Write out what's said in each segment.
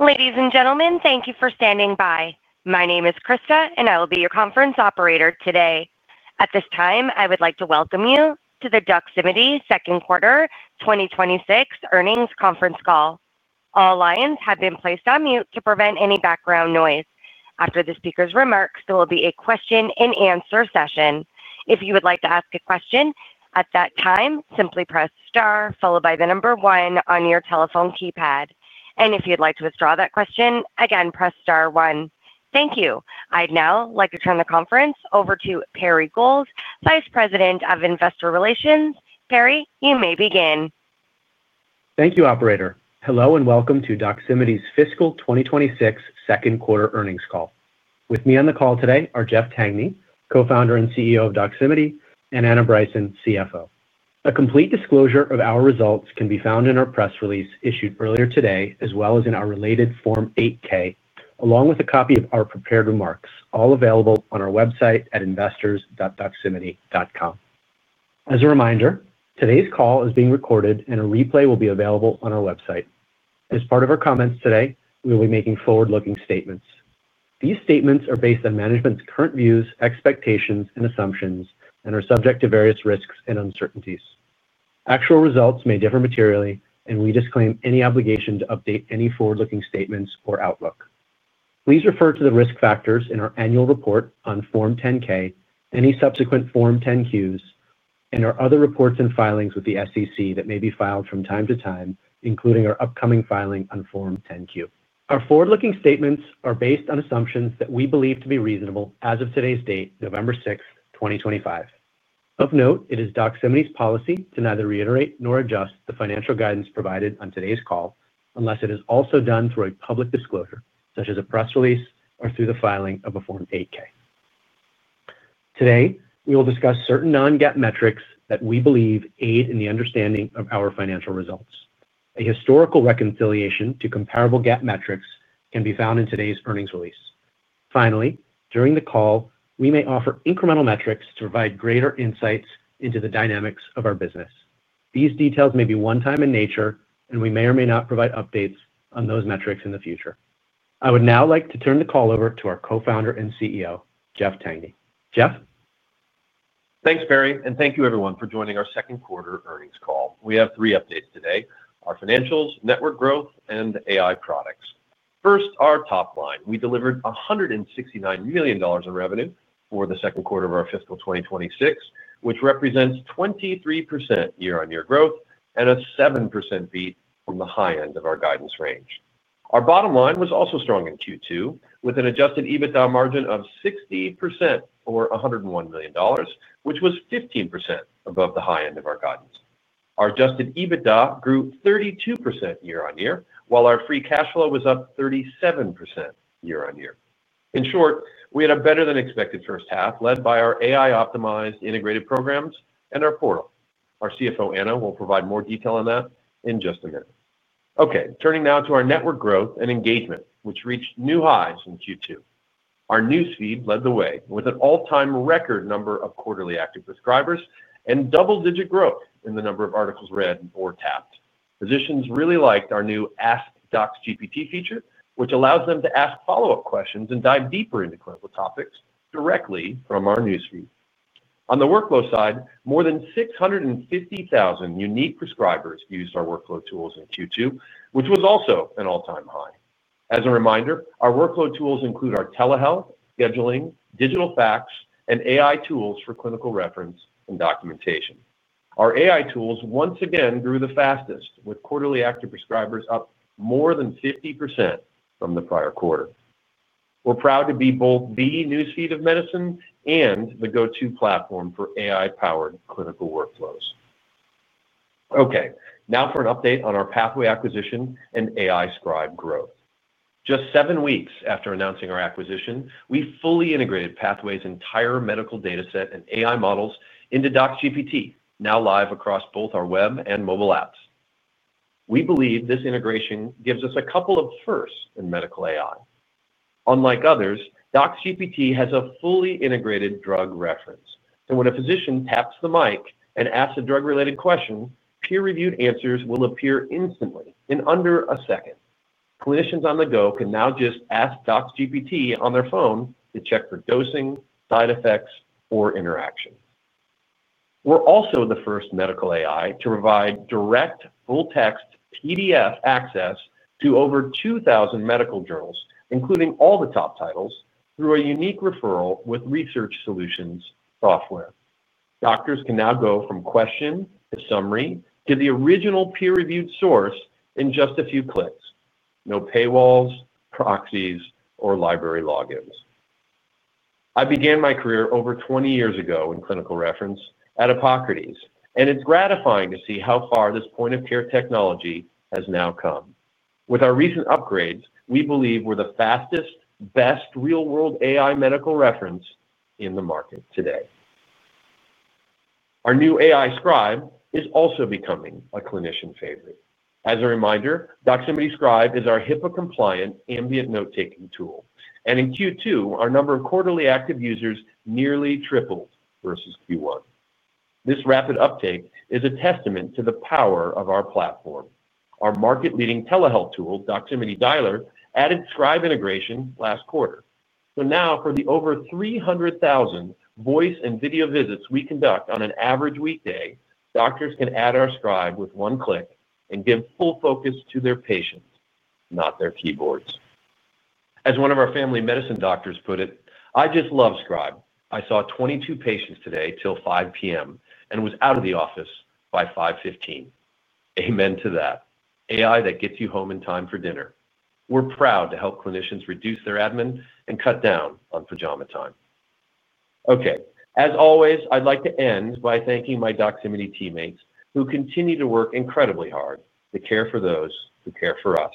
Ladies and gentlemen, thank you for standing by. My name is Krista, and I will be your conference operator today. At this time, I would like to welcome you to the Doximity second quarter 2026 earnings conference call. All lines have been placed on mute to prevent any background noise. After the speaker's remarks, there will be a question-and-answer session. If you would like to ask a question at that time, simply press star followed by the number one on your telephone keypad. If you'd like to withdraw that question, again, press star one. Thank you. I'd now like to turn the conference over to Perry Gold, Vice President of Investor Relations. Perry, you may begin. Thank you, Operator. Hello and welcome to Doximity's fiscal 2026 second quarter earnings call. With me on the call today are Jeff Tangney, Co-founder and CEO of Doximity, and Anna Bryson, CFO. A complete disclosure of our results can be found in our press release issued earlier today, as well as in our related form 8-K, along with a copy of our prepared remarks, all available on our website at investors.doximity.com. As a reminder, today's call is being recorded, and a replay will be available on our website. As part of our comments today, we will be making forward-looking statements. These statements are based on management's current views, expectations, and assumptions, and are subject to various risks and uncertainties. Actual results may differ materially, and we disclaim any obligation to update any forward-looking statements or outlook. Please refer to the risk factors in our annual report on Form 10-K, any subsequent Form 10-Qs, and our other reports and filings with the SEC that may be filed from time to time, including our upcoming filing on Form 10-Q. Our forward-looking statements are based on assumptions that we believe to be reasonable as of today's date, November 6th, 2025. Of note, it is Doximity's policy to neither reiterate nor adjust the financial guidance provided on today's call unless it is also done through a public disclosure, such as a press release or through the filing of a Form 8-K. Today, we will discuss certain non-GAAP metrics that we believe aid in the understanding of our financial results. A historical reconciliation to comparable GAAP metrics can be found in today's earnings release. Finally, during the call, we may offer incremental metrics to provide greater insights into the dynamics of our business. These details may be one-time in nature, and we may or may not provide updates on those metrics in the future. I would now like to turn the call over to our Co-founder and CEO, Jeff Tangney. Jeff? Thanks, Perry, and thank you, everyone, for joining our second quarter earnings call. We have three updates today: our financials, network growth, and AI products. First, our top line. We delivered $169 million in revenue for the second quarter of our fiscal 2026, which represents 23% year-on-year growth and a 7% beat from the high end of our guidance range. Our bottom line was also strong in Q2, with an Adjusted EBITDA margin of 60%, or $101 million, which was 15% above the high end of our guidance. Our Adjusted EBITDA grew 32% year-on-year, while our free cash flow was up 37% year-on-year. In short, we had a better-than-expected first half, led by our AI-optimized integrated programs and our portal. Our CFO, Anna, will provide more detail on that in just a minute. Okay, turning now to our network growth and engagement, which reached new highs in Q2. Our Newsfeed led the way with an all-time record number of quarterly active subscribers and double-digit growth in the number of articles read or tapped. Physicians really liked our new [Ask] DoxGPT feature, which allows them to ask follow-up questions and dive deeper into clinical topics directly from our Newsfeed. On the workflow side, more than 650,000 unique prescribers used our workflow tools in Q2, which was also an all-time high. As a reminder, our workflow tools include our telehealth, scheduling, digital fax, and AI tools for clinical reference and documentation. Our AI tools once again grew the fastest, with quarterly active prescribers up more than 50% from the prior quarter. We're proud to be both the Newsfeed of medicine and the go-to platform for AI-powered clinical workflows. Okay, now for an update on our Pathway acquisition and AI Scribe growth. Just seven weeks after announcing our acquisition, we fully integrated Pathway's entire medical data set and AI models into DoxGPT, now live across both our web and mobile apps. We believe this integration gives us a couple of firsts in medical AI. Unlike others, DoxGPT has a fully integrated drug reference, so when a physician taps the mic and asks a drug-related question, peer-reviewed answers will appear instantly, in under a second. Clinicians on the go can now just ask DoxGPT on their phone to check for dosing, side effects, or interactions. We're also the first medical AI to provide direct full-text PDF access to over 2,000 medical journals, including all the top titles, through a unique referral with Research Solutions software. Doctors can now go from question to summary to the original peer-reviewed source in just a few clicks. No paywalls, proxies, or library logins. I began my career over 20 years ago in clinical reference at Epocrates, and it's gratifying to see how far this point-of-care technology has now come. With our recent upgrades, we believe we're the fastest, best real-world AI medical reference in the market today. Our new AI Scribe is also becoming a clinician favorite. As a reminder, Doximity Scribe is our HIPAA-compliant ambient note-taking tool, and in Q2, our number of quarterly active users nearly tripled versus Q1. This rapid uptake is a testament to the power of our platform. Our market-leading telehealth tool, Doximity Dialer, added Scribe integration last quarter. Now, for the over 300,000 voice and video visits we conduct on an average weekday, doctors can add our Scribe with one click and give full focus to their patients, not their keyboards. As one of our family medicine doctors put it, "I just love Scribe. I saw 22 patients today till 5:00 P.M. and was out of the office by 5:15. Amen to that. AI that gets you home in time for dinner. We're proud to help clinicians reduce their admin and cut down on pajama time. Okay, as always, I'd like to end by thanking my Doximity teammates, who continue to work incredibly hard to care for those who care for us.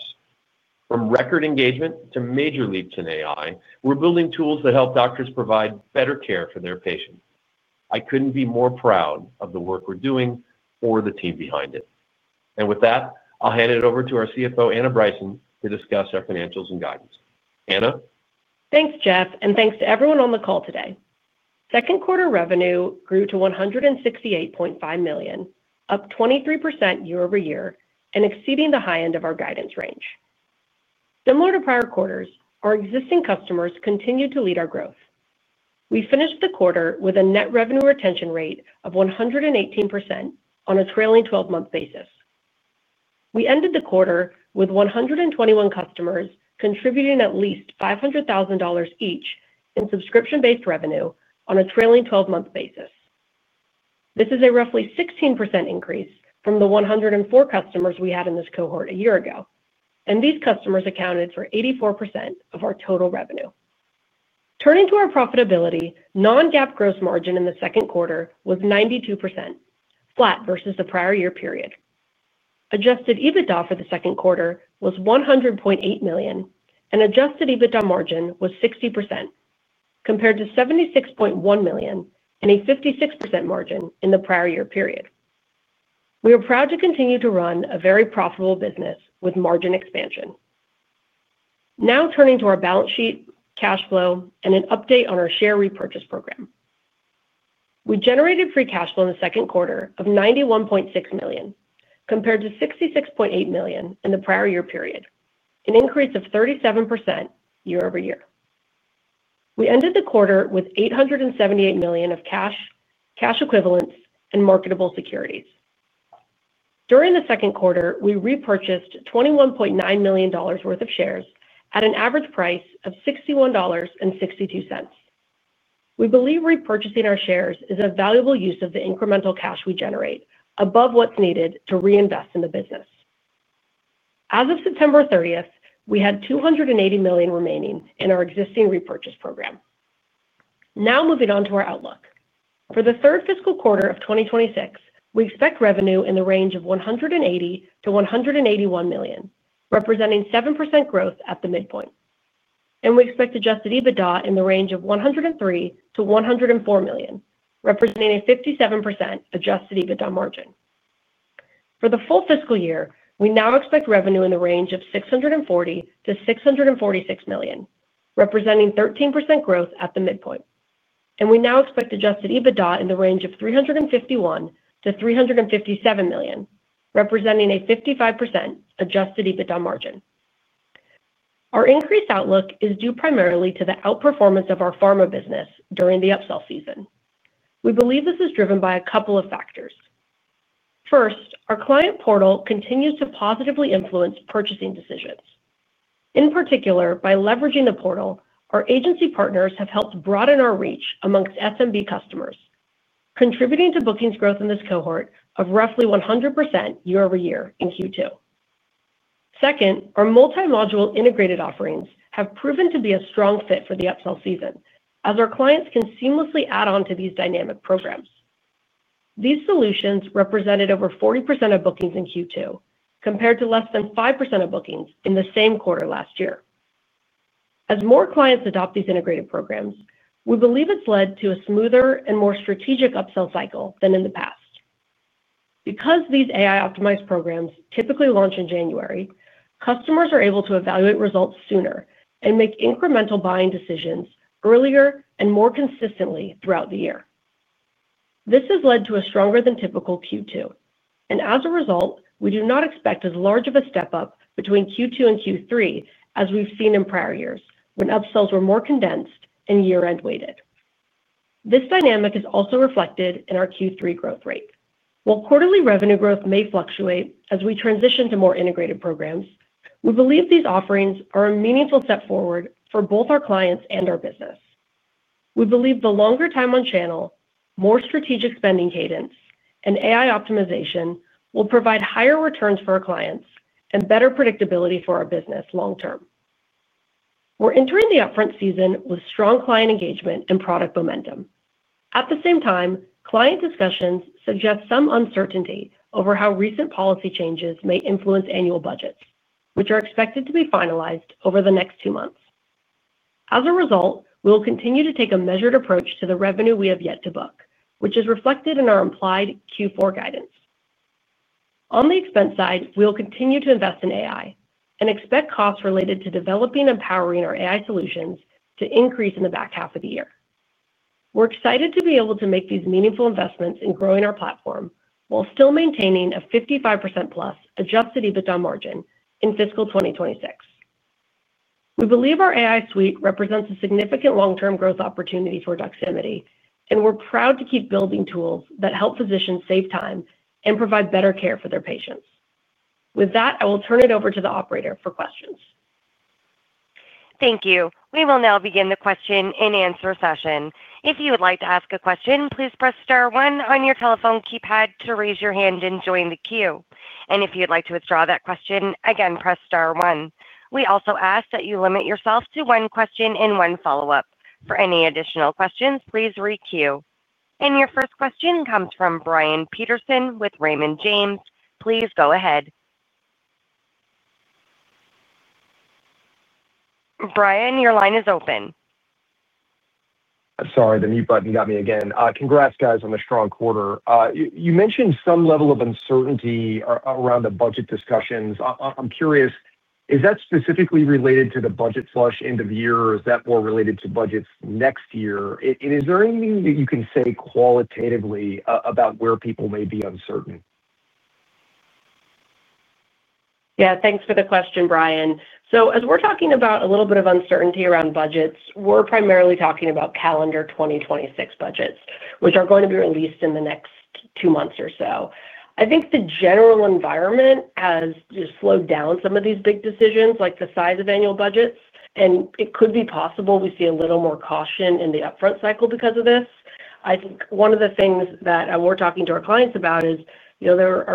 From record engagement to major leaps in AI, we're building tools that help doctors provide better care for their patients. I couldn't be more proud of the work we're doing or the team behind it. With that, I'll hand it over to our CFO, Anna Bryson, to discuss our financials and guidance. Anna? Thanks, Jeff, and thanks to everyone on the call today. Second quarter revenue grew to $168.5 million, up 23% year-over-year, and exceeding the high end of our guidance range. Similar to prior quarters, our existing customers continue to lead our growth. We finished the quarter with a net revenue retention rate of 118% on a trailing 12-month basis. We ended the quarter with 121 customers contributing at least $500,000 each in subscription-based revenue on a trailing 12-month basis. This is a roughly 16% increase from the 104 customers we had in this cohort a year ago, and these customers accounted for 84% of our total revenue. Turning to our profitability, non-GAAP gross margin in the second quarter was 92%, flat versus the prior year period. Adjusted EBITDA for the second quarter was $100.8 million, and Adjusted EBITDA margin was 60%. Compared to $76.1 million and a 56% margin in the prior year period. We are proud to continue to run a very profitable business with margin expansion. Now turning to our balance sheet, cash flow, and an update on our share repurchase program. We generated free cash flow in the second quarter of $91.6 million, compared to $66.8 million in the prior year period, an increase of 37% year-over-year. We ended the quarter with $878 million of cash, cash equivalents, and marketable securities. During the second quarter, we repurchased $21.9 million worth of shares at an average price of $61.62. We believe repurchasing our shares is a valuable use of the incremental cash we generate, above what's needed to reinvest in the business. As of September 30th, we had $280 million remaining in our existing repurchase program. Now moving on to our outlook. For the third fiscal quarter of 2026, we expect revenue in the range of $180 million-$181 million, representing 7% growth at the midpoint. We expect Adjusted EBITDA in the range of $103 million-$104 million, representing a 57% Adjusted EBITDA margin. For the full fiscal year, we now expect revenue in the range of $640 million-$646 million, representing 13% growth at the midpoint. We now expect Adjusted EBITDA in the range of $351 million-$357 million, representing a 55% Adjusted EBITDA margin. Our increased outlook is due primarily to the outperformance of our pharma business during the upsell season. We believe this is driven by a couple of factors. First, our client portal continues to positively influence purchasing decisions. In particular, by leveraging the portal, our agency partners have helped broaden our reach amongst SMB customers, contributing to bookings growth in this cohort of roughly 100% year-over-year in Q2. Second, our multi-module integrated offerings have proven to be a strong fit for the upsell season, as our clients can seamlessly add on to these dynamic programs. These solutions represented over 40% of bookings in Q2, compared to less than 5% of bookings in the same quarter last year. As more clients adopt these integrated programs, we believe it's led to a smoother and more strategic upsell cycle than in the past. Because these AI-optimized programs typically launch in January, customers are able to evaluate results sooner and make incremental buying decisions earlier and more consistently throughout the year. This has led to a stronger-than-typical Q2, and as a result, we do not expect as large of a step-up between Q2 and Q3 as we've seen in prior years, when upsells were more condensed and year-end weighted. This dynamic is also reflected in our Q3 growth rate. While quarterly revenue growth may fluctuate as we transition to more integrated programs, we believe these offerings are a meaningful step forward for both our clients and our business. We believe the longer time on channel, more strategic spending cadence, and AI optimization will provide higher returns for our clients and better predictability for our business long-term. We're entering the upfront season with strong client engagement and product momentum. At the same time, client discussions suggest some uncertainty over how recent policy changes may influence annual budgets, which are expected to be finalized over the next two months. As a result, we'll continue to take a measured approach to the revenue we have yet to book, which is reflected in our implied Q4 guidance. On the expense side, we'll continue to invest in AI and expect costs related to developing and powering our AI solutions to increase in the back half of the year. We're excited to be able to make these meaningful investments in growing our platform while still maintaining a 55%+ Adjusted EBITDA margin in fiscal 2026. We believe our AI suite represents a significant long-term growth opportunity for Doximity, and we're proud to keep building tools that help physicians save time and provide better care for their patients. With that, I will turn it over to the operator for questions. Thank you. We will now begin the question-and-answer session. If you would like to ask a question, please press star one on your telephone keypad to raise your hand and join the queue. If you'd like to withdraw that question, again, press star one. We also ask that you limit yourself to one question and one follow-up. For any additional questions, please re-queue. Your first question comes from Brian Peterson with Raymond James. Please go ahead. Brian, your line is open. Sorry, the mute button got me again. Congrats, guys, on the strong quarter. You mentioned some level of uncertainty around the budget discussions. I'm curious, is that specifically related to the budget flush end of the year, or is that more related to budgets next year? Is there anything that you can say qualitatively about where people may be uncertain? Yeah, thanks for the question, Brian. As we're talking about a little bit of uncertainty around budgets, we're primarily talking about calendar 2026 budgets, which are going to be released in the next two months or so. I think the general environment has just slowed down some of these big decisions, like the size of annual budgets, and it could be possible we see a little more caution in the upfront cycle because of this. I think one of the things that we're talking to our clients about is there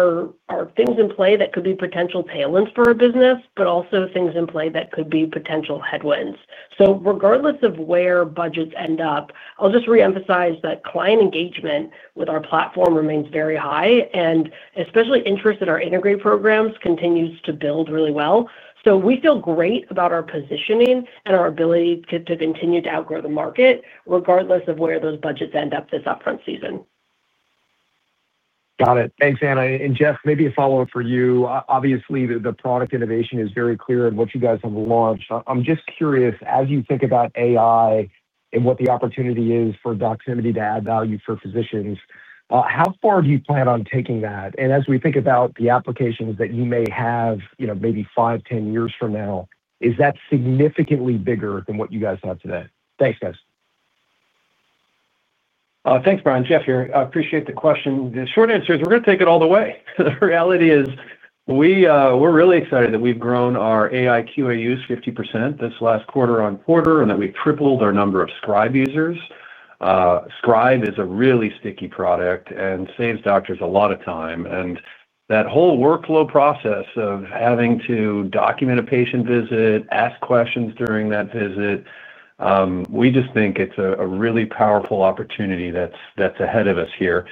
are things in play that could be potential tailwinds for a business, but also things in play that could be potential headwinds. Regardless of where budgets end up, I'll just re-emphasize that client engagement with our platform remains very high, and especially interest in our integrated programs continues to build really well. We feel great about our positioning and our ability to continue to outgrow the market, regardless of where those budgets end up this upfront season. Got it. Thanks, Anna. Jeff, maybe a follow-up for you. Obviously, the product innovation is very clear in what you guys have launched. I'm just curious, as you think about AI and what the opportunity is for Doximity to add value for physicians, how far do you plan on taking that? As we think about the applications that you may have maybe 5 years, 10 years from now, is that significantly bigger than what you guys have today? Thanks, guys. Thanks, Brian. Jeff here. I appreciate the question. The short answer is we're going to take it all the way. The reality is we're really excited that we've grown our AI QA use 50% this last quarter-on-quarter and that we've tripled our number of Scribe users. Scribe is a really sticky product and saves doctors a lot of time. That whole workflow process of having to document a patient visit, ask questions during that visit, we just think it's a really powerful opportunity that's ahead of us here.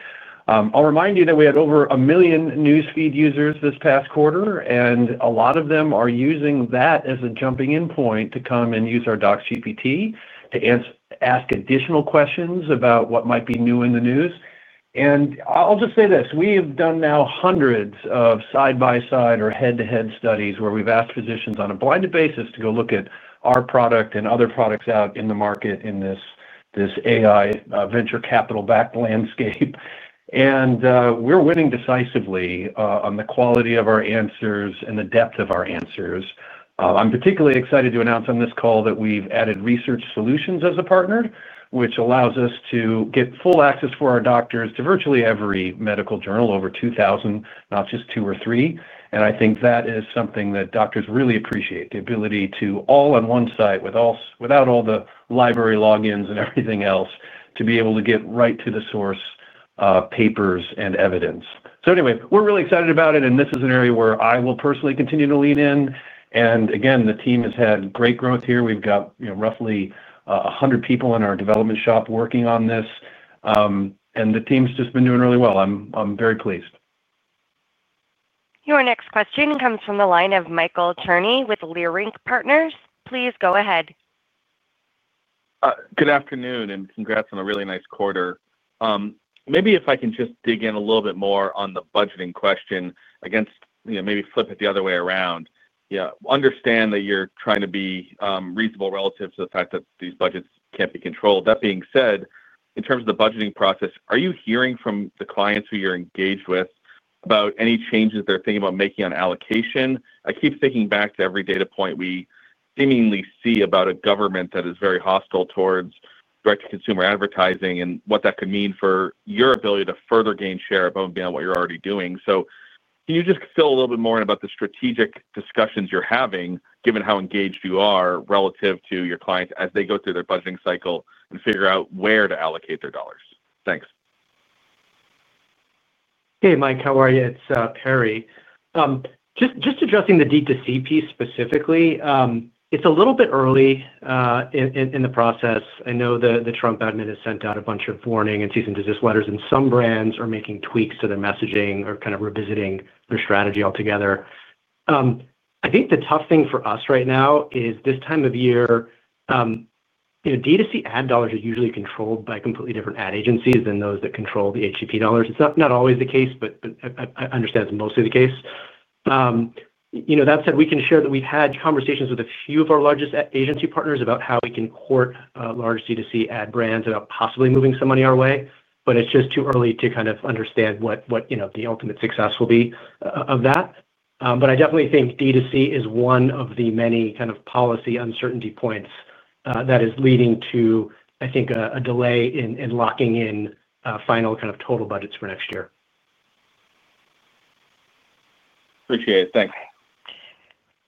I'll remind you that we had over a million Newsfeed users this past quarter, and a lot of them are using that as a jumping-in point to come and use our DoxGPT to ask additional questions about what might be new in the news. I'll just say this: we have done now hundreds of side-by-side or head-to-head studies where we've asked physicians on a blinded basis to go look at our product and other products out in the market in this AI venture capital-backed landscape. We're winning decisively on the quality of our answers and the depth of our answers. I'm particularly excited to announce on this call that we've added Research Solutions as a partner, which allows us to get full access for our doctors to virtually every medical journal, over 2,000, not just two or three. I think that is something that doctors really appreciate: the ability to all on one site, without all the library logins and everything else, to be able to get right to the source papers and evidence. Anyway, we're really excited about it, and this is an area where I will personally continue to lean in. Again, the team has had great growth here. We've got roughly 100 people in our development shop working on this. The team's just been doing really well. I'm very pleased. Your next question comes from the line of Michael Turney with Leerink Partners. Please go ahead. Good afternoon and congrats on a really nice quarter. Maybe if I can just dig in a little bit more on the budgeting question, again, maybe flip it the other way around. Yeah, understand that you're trying to be reasonable relative to the fact that these budgets can't be controlled. That being said, in terms of the budgeting process, are you hearing from the clients who you're engaged with about any changes they're thinking about making on allocation? I keep thinking back to every data point we seemingly see about a government that is very hostile towards direct-to-consumer advertising and what that could mean for your ability to further gain share of what you're already doing. Can you just fill a little bit more in about the strategic discussions you're having, given how engaged you are, relative to your clients as they go through their budgeting cycle and figure out where to allocate their dollars? Thanks. Hey, Mike, how are you? It's Perry. Just addressing the D2C piece specifically, it's a little bit early in the process. I know the Trump admin has sent out a bunch of warning and cease-and-desist letters, and some brands are making tweaks to their messaging or kind of revisiting their strategy altogether. I think the tough thing for us right now is this time of year. D2C ad dollars are usually controlled by completely different ad agencies than those that control the HCP dollars. It's not always the case, but I understand it's mostly the case. That said, we can share that we've had conversations with a few of our largest agency partners about how we can court large D2C ad brands about possibly moving some money our way, but it's just too early to kind of understand what the ultimate success will be of that. I definitely think D2C is one of the many kind of policy uncertainty points that is leading to, I think, a delay in locking in final kind of total budgets for next year. Appreciate it. Thanks.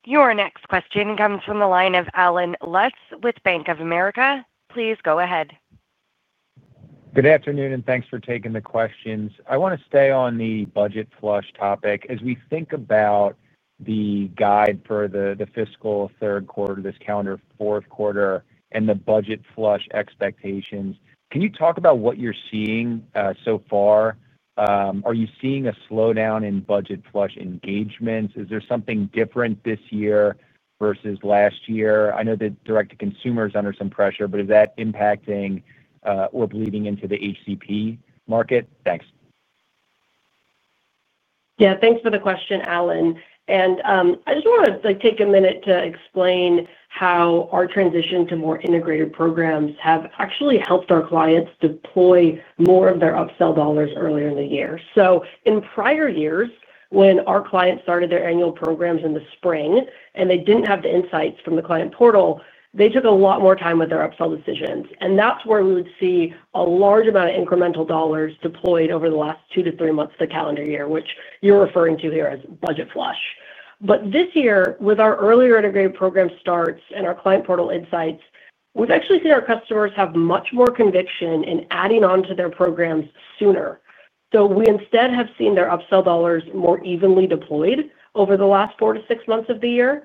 Your next question comes from the line of Allen Lutz with Bank of America. Please go ahead. Good afternoon, and thanks for taking the questions. I want to stay on the budget flush topic. As we think about the guide for the fiscal third quarter, this calendar fourth quarter, and the budget flush expectations, can you talk about what you're seeing so far? Are you seeing a slowdown in budget flush engagements? Is there something different this year versus last year? I know that direct-to-consumer is under some pressure, but is that impacting or bleeding into the HCP market? Thanks. Yeah, thanks for the question, Allen. I just want to take a minute to explain how our transition to more integrated programs has actually helped our clients deploy more of their upsell dollars earlier in the year. In prior years, when our clients started their annual programs in the spring and they did not have the insights from the client portal, they took a lot more time with their upsell decisions. That is where we would see a large amount of incremental dollars deployed over the last two to three months of the calendar year, which you are referring to here as budget flush. This year, with our earlier integrated program starts and our client portal insights, we have actually seen our customers have much more conviction in adding on to their programs sooner. We instead have seen their upsell dollars more evenly deployed over the last four to six months of the year.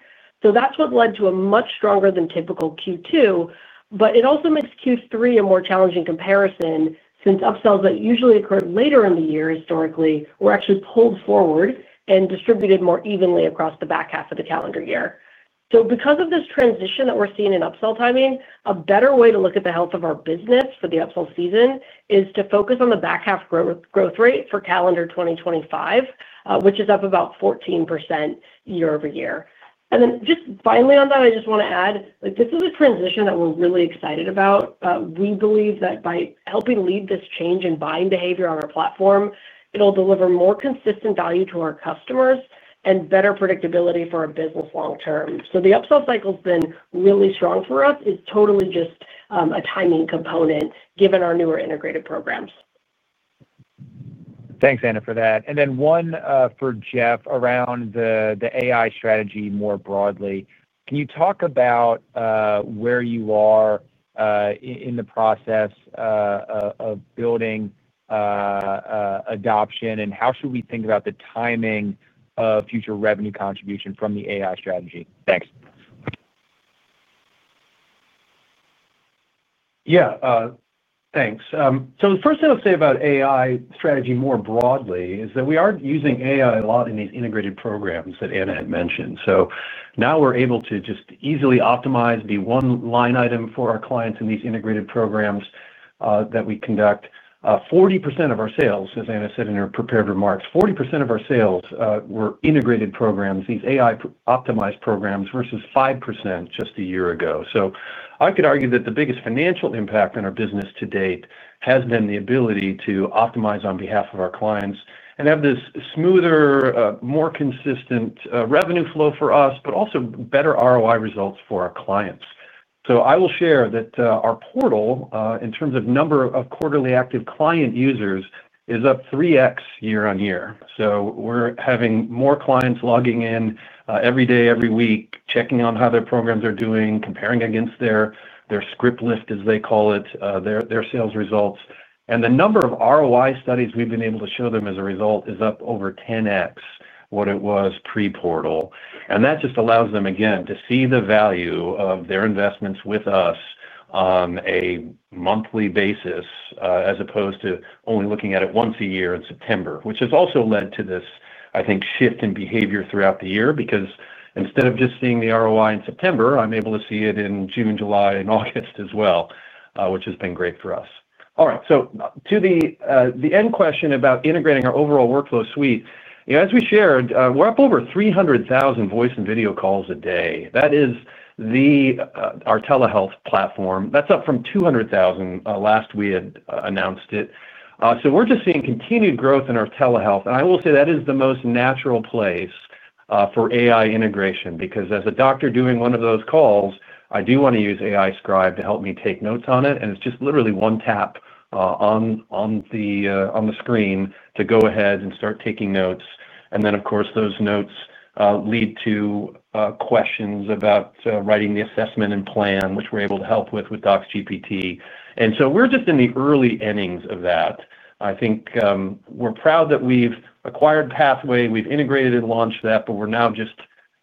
That led to a much stronger than typical Q2, but it also makes Q3 a more challenging comparison since upsells that usually occur later in the year historically were actually pulled forward and distributed more evenly across the back half of the calendar year. Because of this transition that we're seeing in upsell timing, a better way to look at the health of our business for the upsell season is to focus on the back half growth rate for calendar 2025, which is up about 14% year-over-year. Finally on that, I just want to add, this is a transition that we're really excited about. We believe that by helping lead this change in buying behavior on our platform, it'll deliver more consistent value to our customers and better predictability for our business long-term. The upsell cycle has been really strong for us. It's totally just a timing component given our newer integrated programs. Thanks, Anna, for that. One for Jeff around the AI strategy more broadly. Can you talk about where you are in the process of building adoption, and how should we think about the timing of future revenue contribution from the AI strategy? Thanks. Yeah, thanks. The first thing I'll say about AI strategy more broadly is that we are using AI a lot in these integrated programs that Anna had mentioned. Now we're able to just easily optimize the one line item for our clients in these integrated programs that we conduct. 40% of our sales, as Anna said in her prepared remarks, 40% of our sales were integrated programs, these AI-optimized programs, versus 5% just a year ago. I could argue that the biggest financial impact in our business to date has been the ability to optimize on behalf of our clients and have this smoother, more consistent revenue flow for us, but also better ROI results for our clients. I will share that our portal, in terms of number of quarterly active client users, is up 3x year-on-year. We're having more clients logging in every day, every week, checking on how their programs are doing, comparing against their script lift, as they call it, their sales results. The number of ROI studies we've been able to show them as a result is up over 10x what it was pre-portal. That just allows them, again, to see the value of their investments with us. On a monthly basis, as opposed to only looking at it once a year in September, which has also led to this, I think, shift in behavior throughout the year because instead of just seeing the ROI in September, I'm able to see it in June, July, and August as well, which has been great for us. All right. To the end question about integrating our overall workflow suite, as we shared, we're up over 300,000 voice and video calls a day. That is our telehealth platform. That's up from 200,000 last we announced it. We're just seeing continued growth in our telehealth. I will say that is the most natural place for AI integration because as a doctor doing one of those calls, I do want to use AI Scribe to help me take notes on it. It's just literally one tap on the screen to go ahead and start taking notes. Of course, those notes lead to questions about writing the assessment and plan, which we're able to help with with DoxGPT. We're just in the early innings of that. I think we're proud that we've acquired Pathway. We've integrated and launched that, but we're now just.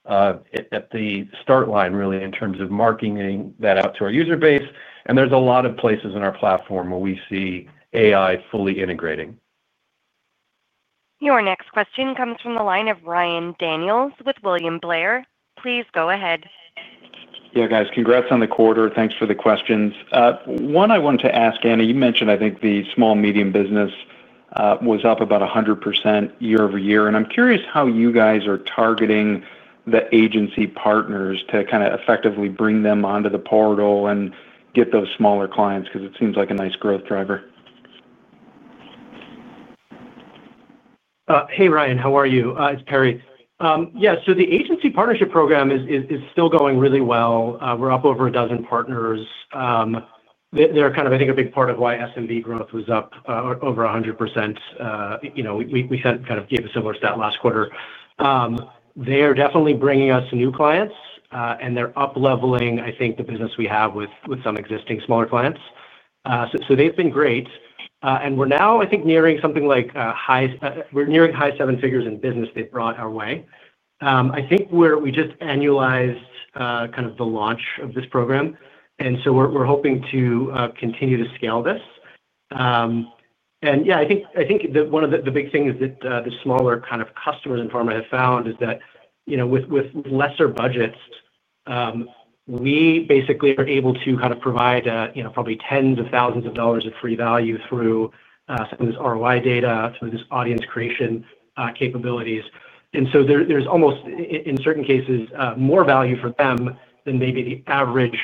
At the start line, really, in terms of marketing that out to our user base. There is a lot of places in our platform where we see AI fully integrating. Your next question comes from the line of Ryan Daniels with William Blair. Please go ahead. Yeah, guys, congrats on the quarter. Thanks for the questions. One I wanted to ask, Anna, you mentioned, I think, the small-medium business was up about 100% year-over-year. I'm curious how you guys are targeting the agency partners to kind of effectively bring them onto the portal and get those smaller clients because it seems like a nice growth driver. Hey, Ryan, how are you? It's Perry. Yeah, the agency partnership program is still going really well. We're up over a dozen partners. They're kind of, I think, a big part of why SMB growth was up over 100%. We kind of gave a similar stat last quarter. They are definitely bringing us new clients, and they're up-leveling, I think, the business we have with some existing smaller clients. They've been great. We're now, I think, nearing something like high—we're nearing high seven figures in business they've brought our way. I think we just annualized kind of the launch of this program. We're hoping to continue to scale this. Yeah, I think one of the big things that the smaller kind of customers and pharma have found is that. With lesser budgets. We basically are able to kind of provide probably tens of thousands of dollars of free value through some of this ROI data, some of this audience creation capabilities. There is almost, in certain cases, more value for them than maybe the average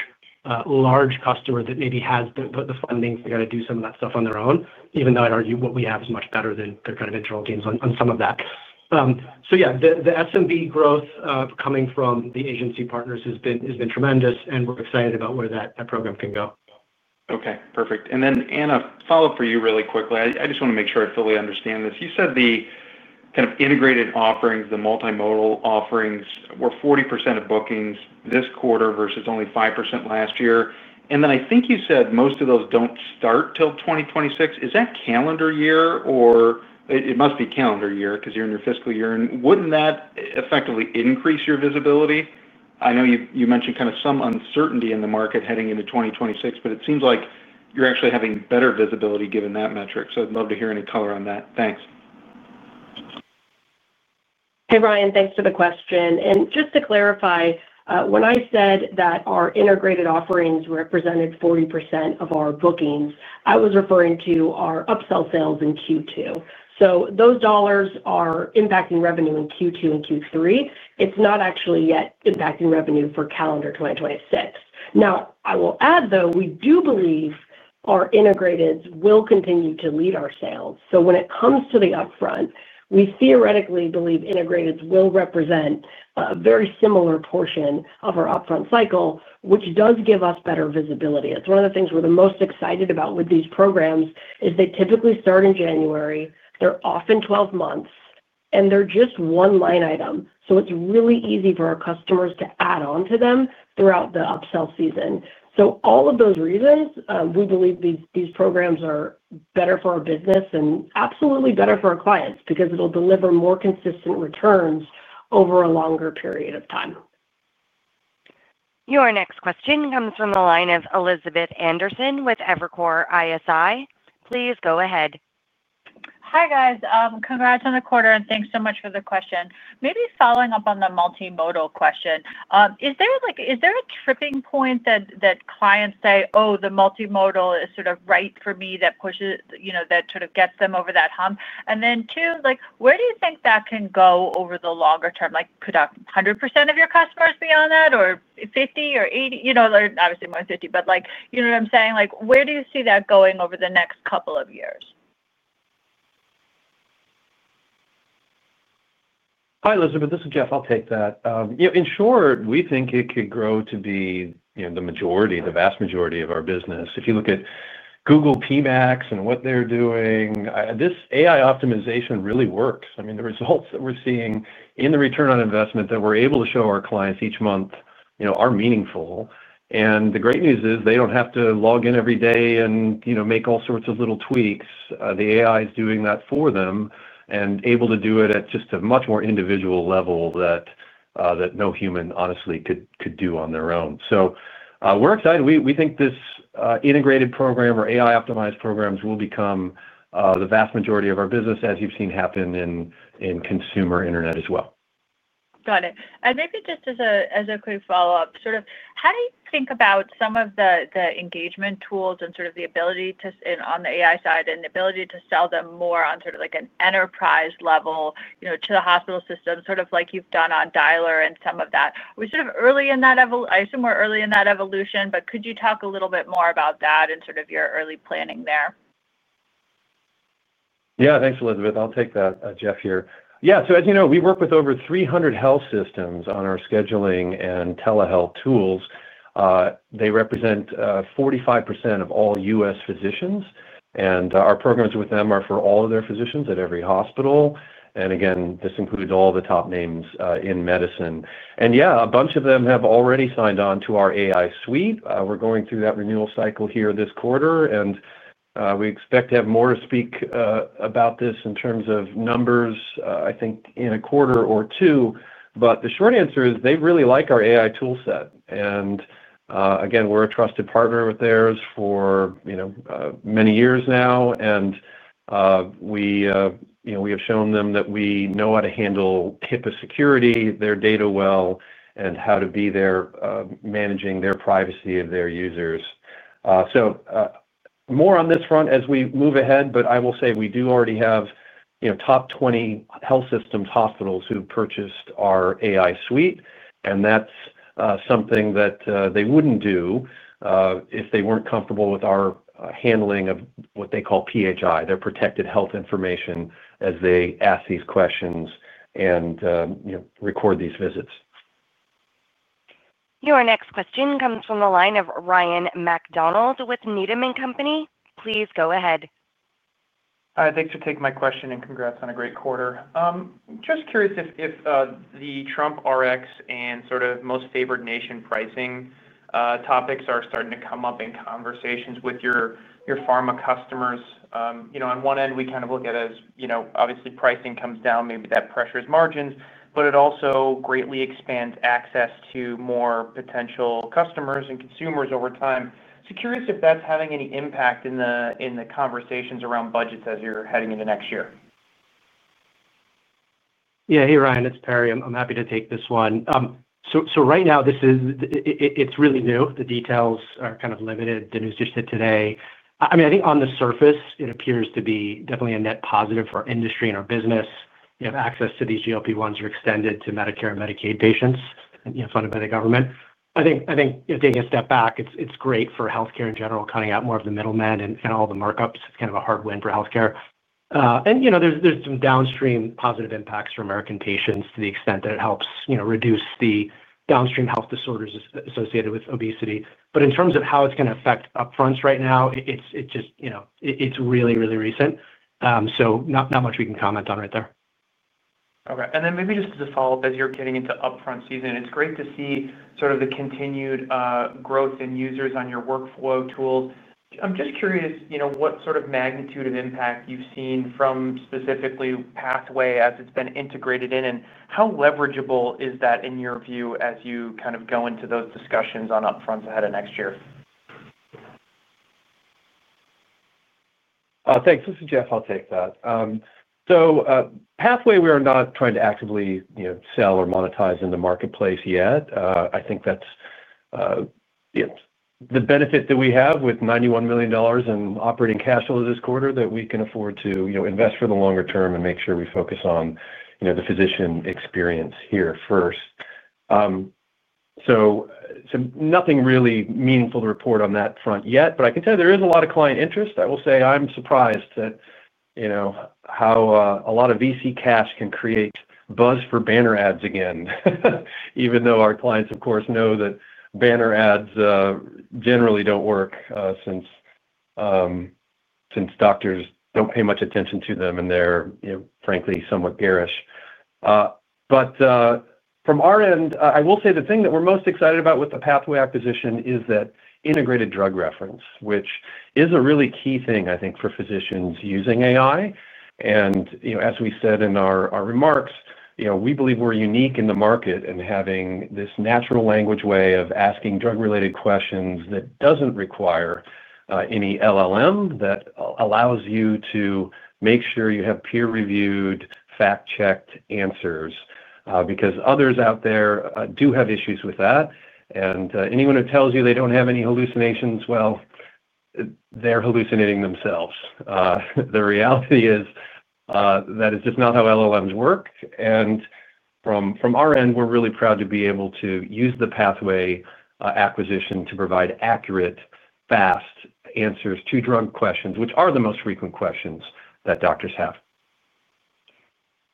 large customer that maybe has the funding to kind of do some of that stuff on their own, even though I'd argue what we have is much better than their kind of internal gains on some of that. Yeah, the SMB growth coming from the agency partners has been tremendous, and we're excited about where that program can go. Okay, perfect. Anna, follow-up for you really quickly. I just want to make sure I fully understand this. You said the kind of integrated offerings, the multimodal offerings, were 40% of bookings this quarter versus only 5% last year. I think you said most of those do not start till 2026. Is that calendar year or it must be calendar year because you are in your fiscal year? Wouldn't that effectively increase your visibility? I know you mentioned kind of some uncertainty in the market heading into 2026, but it seems like you are actually having better visibility given that metric. I would love to hear any color on that. Thanks. Hey, Ryan, thanks for the question. Just to clarify, when I said that our integrated offerings represented 40% of our bookings, I was referring to our upsell sales in Q2. Those dollars are impacting revenue in Q2 and Q3. It's not actually yet impacting revenue for calendar 2026. I will add, though, we do believe our integrated will continue to lead our sales. When it comes to the upfront, we theoretically believe integrated will represent a very similar portion of our upfront cycle, which does give us better visibility. It's one of the things we're the most excited about with these programs is they typically start in January. They're often 12 months, and they're just one line item. It's really easy for our customers to add on to them throughout the upsell season. All of those reasons, we believe these programs are better for our business and absolutely better for our clients because it'll deliver more consistent returns over a longer period of time. Your next question comes from the line of Elizabeth Anderson with Evercore ISI. Please go ahead. Hi, guys. Congrats on the quarter, and thanks so much for the question. Maybe following up on the multimodal question, is there a tripping point that clients say, "Oh, the multimodal is sort of right for me," that sort of gets them over that hump? And then two, where do you think that can go over the longer term? 100% of your customers beyond that, or 50%, or 80%? Obviously, more than 50%, but you know what I'm saying? Where do you see that going over the next couple of years? Hi, Elizabeth. This is Jeff. I'll take that. In short, we think it could grow to be the majority, the vast majority of our business. If you look at Google P-MAX and what they're doing, this AI optimization really works. I mean, the results that we're seeing in the return on investment that we're able to show our clients each month are meaningful. The great news is they do not have to log in every day and make all sorts of little tweaks. The AI is doing that for them and able to do it at just a much more individual level that no human, honestly, could do on their own. We are excited. We think this integrated program or AI-optimized programs will become the vast majority of our business, as you've seen happen in consumer internet as well. Got it. Maybe just as a quick follow-up, sort of how do you think about some of the engagement tools and sort of the ability to, on the AI side, and the ability to sell them more on sort of an enterprise level to the hospital system, sort of like you've done on Dialer and some of that? We're sort of early in that evolution. I assume we're early in that evolution, but could you talk a little bit more about that and sort of your early planning there? Yeah, thanks, Elizabeth. I'll take that, Jeff, here. Yeah, so as you know, we work with over 300 health systems on our scheduling and telehealth tools. They represent 45% of all U.S. physicians. Our programs with them are for all of their physicians at every hospital. This includes all the top names in medicine. Yeah, a bunch of them have already signed on to our AI suite. We're going through that renewal cycle here this quarter, and we expect to have more to speak about this in terms of numbers, I think, in a quarter or two. The short answer is they really like our AI toolset. We're a trusted partner with theirs for many years now. We have shown them that we know how to handle HIPAA security, their data well, and how to be there managing their privacy of their users. More on this front as we move ahead, but I will say we do already have top 20 health systems, hospitals who purchased our AI suite. That's something that they wouldn't do if they weren't comfortable with our handling of what they call PHI, their protected health information, as they ask these questions and record these visits. Your next question comes from the line of Ryan MacDonald with Needham & Company. Please go ahead. Hi, thanks for taking my question and congrats on a great quarter. Just curious if the Trump RX and sort of most favored nation pricing topics are starting to come up in conversations with your pharma customers. On one end, we kind of look at it as obviously pricing comes down, maybe that pressures margins, but it also greatly expands access to more potential customers and consumers over time. Curious if that's having any impact in the conversations around budgets as you're heading into next year. Yeah, hey, Ryan, it's Perry. I'm happy to take this one. Right now, it's really new. The details are kind of limited. The news just hit today. I mean, I think on the surface, it appears to be definitely a net positive for our industry and our business. You have access to these GLP-1s that are extended to Medicare and Medicaid patients funded by the government. I think taking a step back, it's great for healthcare in general, cutting out more of the middlemen and all the markups. It's kind of a hard win for healthcare. There's some downstream positive impacts for American patients to the extent that it helps reduce the downstream health disorders associated with obesity. In terms of how it's going to affect upfronts right now, it's just really, really recent. Not much we can comment on right there. Okay. Maybe just as a follow-up, as you're getting into upfront season, it's great to see sort of the continued growth in users on your workflow tools. I'm just curious what sort of magnitude of impact you've seen from specifically Pathway as it's been integrated in, and how leverageable is that in your view as you kind of go into those discussions on upfronts ahead of next year? Thanks. This is Jeff. I'll take that. Pathway, we are not trying to actively sell or monetize in the marketplace yet. I think that's the benefit that we have with $91 million in operating cash flow this quarter that we can afford to invest for the longer term and make sure we focus on the physician experience here first. Nothing really meaningful to report on that front yet, but I can tell you there is a lot of client interest. I will say I'm surprised at how a lot of VC cash can create buzz for banner ads again, even though our clients, of course, know that banner ads generally don't work since doctors don't pay much attention to them, and they're, frankly, somewhat garish. From our end, I will say the thing that we're most excited about with the Pathway acquisition is that integrated drug reference, which is a really key thing, I think, for physicians using AI. As we said in our remarks, we believe we're unique in the market in having this natural language way of asking drug-related questions that doesn't require any LLM that allows you to make sure you have peer-reviewed, fact-checked answers because others out there do have issues with that. Anyone who tells you they don't have any hallucinations, well, they're hallucinating themselves. The reality is that is just not how LLMs work. From our end, we're really proud to be able to use the Pathway acquisition to provide accurate, fast answers to drug questions, which are the most frequent questions that doctors have.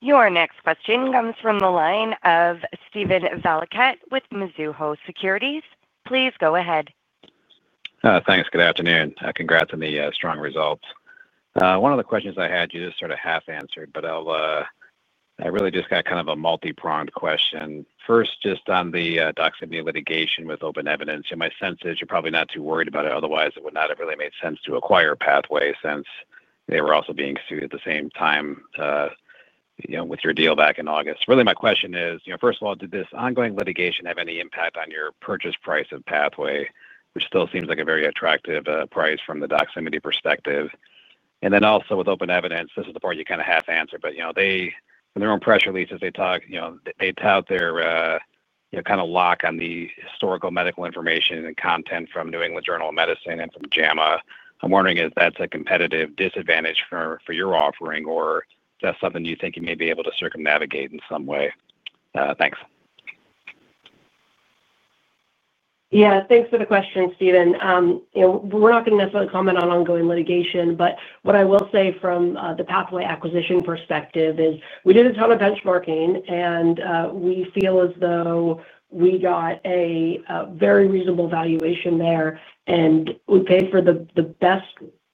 Your next question comes from the line of Steven Valiquette with Mizuho Securities. Please go ahead. Thanks. Good afternoon. Congrats on the strong results. One of the questions I had, you just sort of half answered, but I really just got kind of a multi-pronged question. First, just on the Doximity litigation with OpenEvidence, my sense is you're probably not too worried about it. Otherwise, it would not have really made sense to acquire Pathway since they were also being sued at the same time with your deal back in August. Really, my question is, first of all, did this ongoing litigation have any impact on your purchase price of Pathway, which still seems like a very attractive price from the Doximity perspective? And then also with OpenEvidence, this is the part you kind of half answer, but in their own press releases, they tout their. Kind of lock on the historical medical information and content from New England Journal of Medicine and from JAMA. I'm wondering, is that a competitive disadvantage for your offering, or is that something you think you may be able to circumnavigate in some way? Thanks. Yeah, thanks for the question, Steven. We're not going to necessarily comment on ongoing litigation, but what I will say from the Pathway acquisition perspective is we did a ton of benchmarking, and we feel as though we got a very reasonable valuation there, and we paid for the best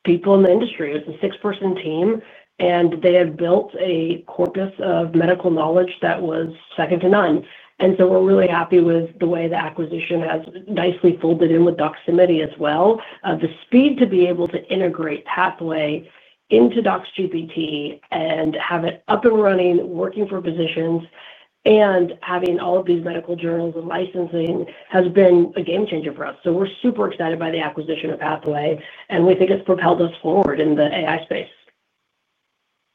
people in the industry. It was a six-person team, and they had built a corpus of medical knowledge that was second to none. We are really happy with the way the acquisition has nicely folded in with Doximity as well. The speed to be able to integrate Pathway into DoxGPT and have it up and running, working for physicians, and having all of these medical journals and licensing has been a game changer for us. We are super excited by the acquisition of Pathway, and we think it's propelled us forward in the AI space.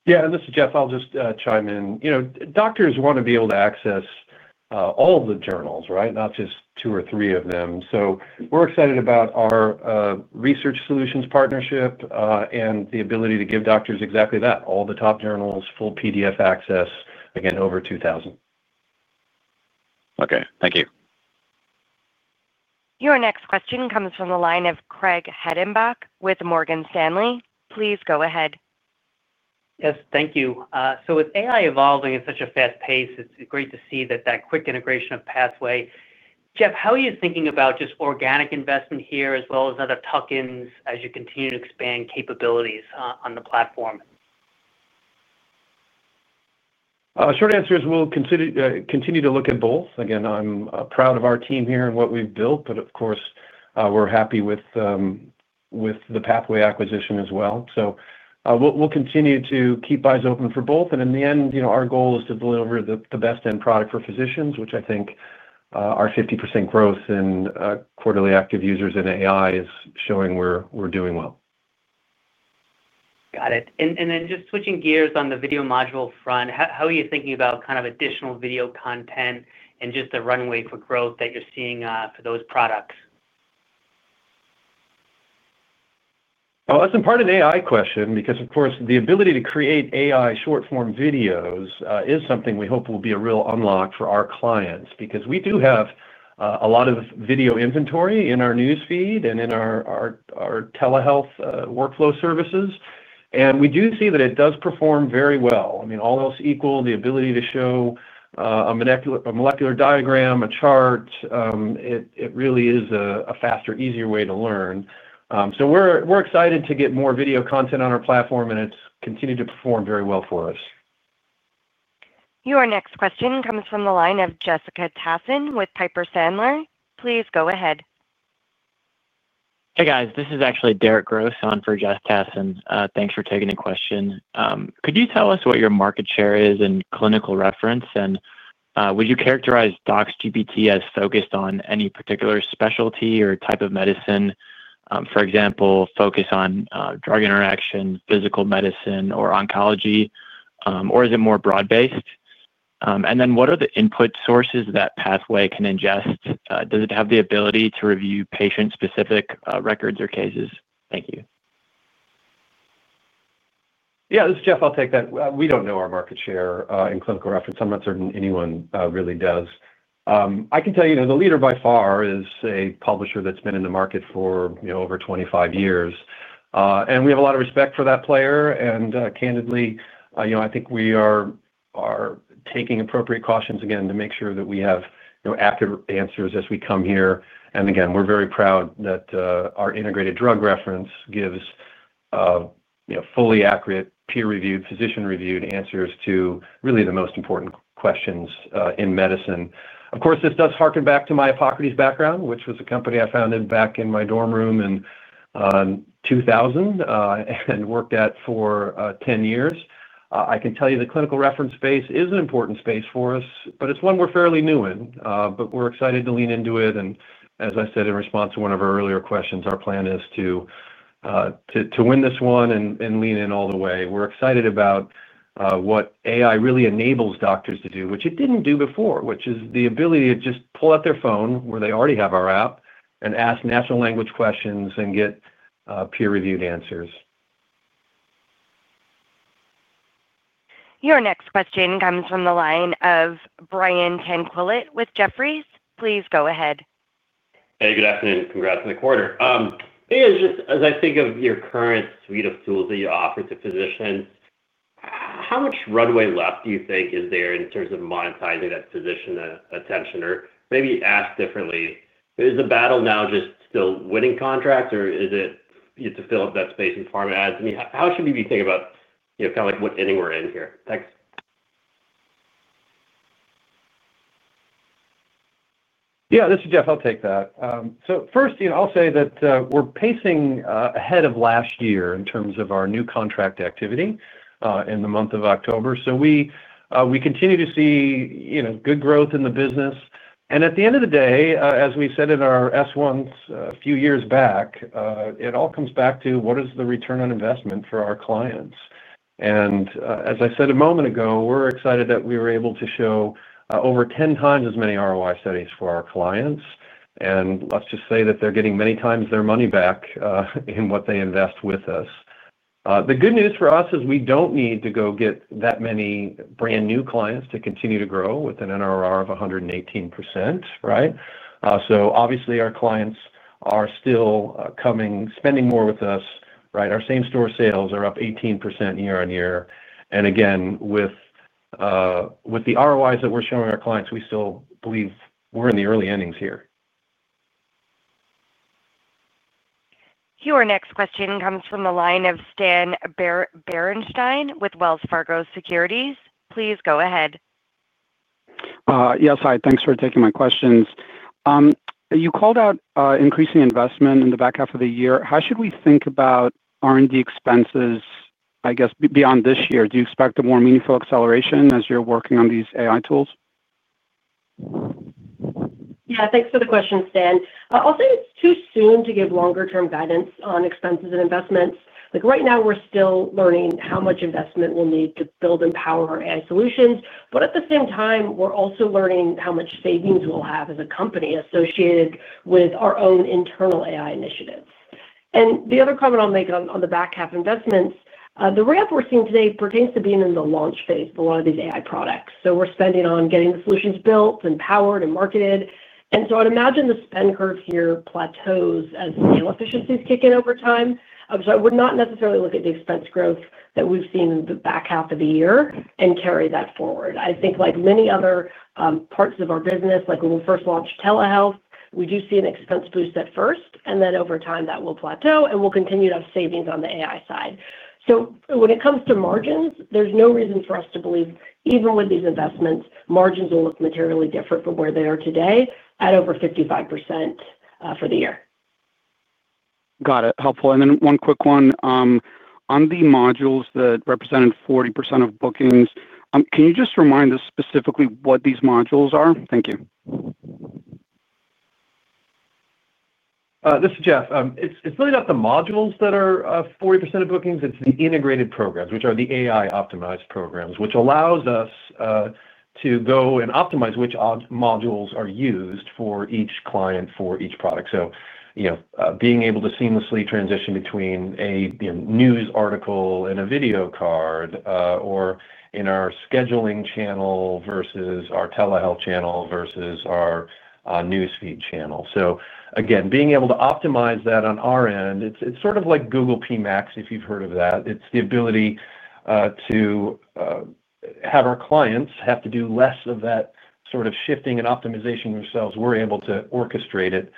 Yeah, this is Jeff. I'll just chime in. Doctors want to be able to access all of the journals, right? Not just two or three of them. We are excited about our Research Solutions partnership and the ability to give doctors exactly that, all the top journals, full PDF access, again, over 2,000. Okay. Thank you. Your next question comes from the line of Craig Hettenbach with Morgan Stanley. Please go ahead. Yes, thank you. With AI evolving at such a fast pace, it's great to see that quick integration of Pathway. Jeff, how are you thinking about just organic investment here as well as other tuck-ins as you continue to expand capabilities on the platform? Short answer is we'll continue to look at both. Again, I'm proud of our team here and what we've built, but of course, we're happy with the Pathway acquisition as well. We'll continue to keep eyes open for both. In the end, our goal is to deliver the best end product for physicians, which I think our 50% growth in quarterly active users in AI is showing we're doing well. Got it. And then just switching gears on the video module front, how are you thinking about kind of additional video content and just the runway for growth that you're seeing for those products? That is in part an AI question because, of course, the ability to create AI short-form videos is something we hope will be a real unlock for our clients because we do have a lot of video inventory in our Newsfeed and in our telehealth workflow services. We do see that it does perform very well. I mean, all else equal, the ability to show a molecular diagram, a chart, it really is a faster, easier way to learn. We are excited to get more video content on our platform, and it has continued to perform very well for us. Your next question comes from the line of Jessica Tassan with Piper Sandler. Please go ahead. Hey, guys. This is actually Derek Gross on for Jess Tassan. Thanks for taking the question. Could you tell us what your market share is in clinical reference? Would you characterize DoxGPT as focused on any particular specialty or type of medicine, for example, focus on drug interaction, physical medicine, or oncology, or is it more broad-based? What are the input sources that Pathway can ingest? Does it have the ability to review patient-specific records or cases? Thank you. Yeah, this is Jeff. I'll take that. We don't know our market share in clinical reference. I'm not certain anyone really does. I can tell you the leader by far is a publisher that's been in the market for over 25 years. We have a lot of respect for that player. Candidly, I think we are taking appropriate cautions again to make sure that we have accurate answers as we come here. Again, we're very proud that our integrated drug reference gives fully accurate, peer-reviewed, physician-reviewed answers to really the most important questions in medicine. Of course, this does harken back to my Epocrates background, which was a company I founded back in my dorm room in 2000 and worked at for 10 years. I can tell you the clinical reference space is an important space for us, but it's one we're fairly new in. We're excited to lean into it. As I said in response to one of our earlier questions, our plan is to win this one and lean in all the way. We're excited about what AI really enables doctors to do, which it didn't do before, which is the ability to just pull out their phone where they already have our app and ask natural language questions and get peer-reviewed answers. Your next question comes from the line of Brian Tanquilut with Jefferies. Please go ahead. Hey, good afternoon. Congrats on the quarter. Hey, as I think of your current suite of tools that you offer to physicians, how much runway left do you think is there in terms of monetizing that physician attention? Or maybe asked differently, is the battle now just still winning contracts, or is it to fill up that space in pharma ads? I mean, how should we be thinking about kind of what ending we're in here? Thanks. Yeah, this is Jeff. I'll take that. First, I'll say that we're pacing ahead of last year in terms of our new contract activity in the month of October. We continue to see good growth in the business. At the end of the day, as we said in our S1s a few years back, it all comes back to what is the return on investment for our clients. As I said a moment ago, we're excited that we were able to show over 10x as many ROI studies for our clients. Let's just say that they're getting many times their money back in what they invest with us. The good news for us is we don't need to go get that many brand new clients to continue to grow with an NRR of 118%, right? Obviously, our clients are still spending more with us, right? Our same store sales are up 18% year-on-year. Again, with the ROIs that we're showing our clients, we still believe we're in the early innings here. Your next question comes from the line of Stan Berenshteyn with Wells Fargo Securities. Please go ahead. Yes, hi. Thanks for taking my questions. You called out increasing investment in the back half of the year. How should we think about R&D expenses, I guess, beyond this year? Do you expect a more meaningful acceleration as you're working on these AI tools? Yeah, thanks for the question, Stan. I'll say it's too soon to give longer-term guidance on expenses and investments. Right now, we're still learning how much investment we'll need to build and power our AI solutions. At the same time, we're also learning how much savings we'll have as a company associated with our own internal AI initiatives. The other comment I'll make on the back half investments, the ramp we're seeing today pertains to being in the launch phase with a lot of these AI products. We're spending on getting the solutions built and powered and marketed. I'd imagine the spend curve here plateaus as scale efficiencies kick in over time. I would not necessarily look at the expense growth that we've seen in the back half of the year and carry that forward. I think like many other parts of our business, like when we first launched telehealth, we do see an expense boost at first, and then over time, that will plateau, and we'll continue to have savings on the AI side. When it comes to margins, there's no reason for us to believe even with these investments, margins will look materially different from where they are today at over 55% for the year. Got it. Helpful. One quick one. On the modules that represented 40% of bookings, can you just remind us specifically what these modules are? Thank you. This is Jeff. It's really not the modules that are 40% of bookings. It's the integrated programs, which are the AI-optimized programs, which allows us to go and optimize which modules are used for each client for each product. Being able to seamlessly transition between a news article and a video card or in our scheduling channel versus our telehealth channel versus our newsfeed channel. Again, being able to optimize that on our end, it's sort of like Google P-MAX, if you've heard of that. It's the ability to have our clients have to do less of that sort of shifting and optimization themselves. We're able to orchestrate it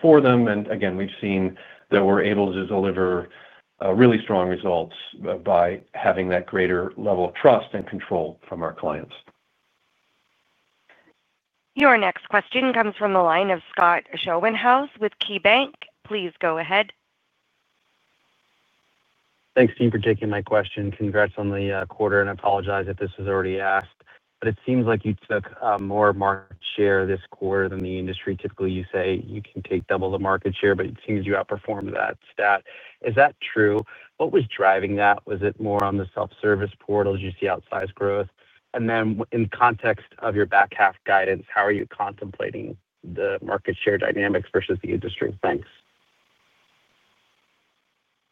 for them. Again, we've seen that we're able to deliver really strong results by having that greater level of trust and control from our clients. Your next question comes from the line of Scott Schoenhaus with KeyBanc. Please go ahead. Thanks, Steve, for taking my question. Congrats on the quarter. I apologize if this was already asked, but it seems like you took more market share this quarter than the industry. Typically, you say you can take double the market share, but it seems you outperformed that stat. Is that true? What was driving that? Was it more on the self-service portal? Did you see outsized growth? In the context of your back half guidance, how are you contemplating the market share dynamics versus the industry? Thanks.